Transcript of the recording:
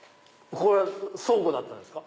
これ倉庫だったんすか？